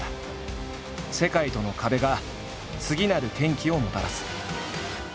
世界との壁が次なる転機をもたらす。